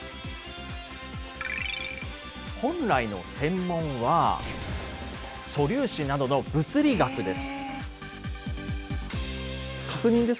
本来の専門は、素粒子などの物理学です。